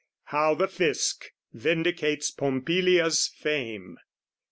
How the Fisc vindicates Pompilia's fame.